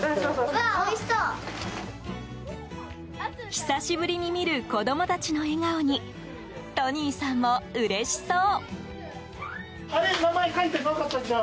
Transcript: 久しぶりに見る子供たちの笑顔にトニーさんもうれしそう。